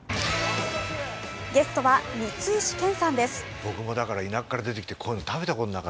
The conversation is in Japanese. ゲストは光石研さんです。